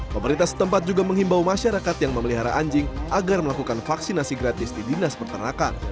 pemerintah setempat juga menghimbau masyarakat yang memelihara anjing agar melakukan vaksinasi gratis di dinas pertanakan